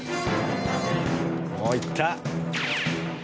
おっいった。